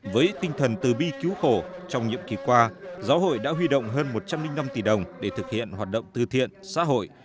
với tinh thần tư bi cứu khổ trong nhiệm kỳ qua giáo hội đã huy động hơn một trăm linh năm tỷ đồng để thực hiện hoạt động từ thiện xã hội